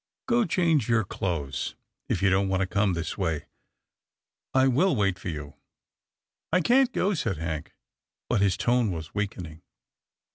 Go change your clothes THE TORRAINES 341 if you don't want to come this way. I will wait for you." " I can't go," said Hank, but his tone was weak ening.